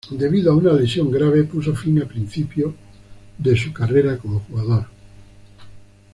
Debido a una lesión grave, puso fin a principios de su carrera como jugador.